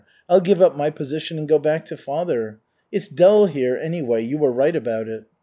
I'll give up my position, and go back to father. It's dull here, anyway, you were right about it."